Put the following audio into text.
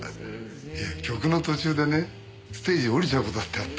曲の途中でねステージを降りちゃう事だってあった。